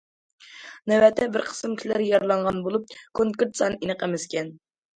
نۆۋەتتە بىر قىسىم كىشىلەر يارىلانغان بولۇپ، كونكرېت سانى ئېنىق ئەمەسكەن.